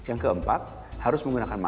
jadi yang keempat harus menggunakan masker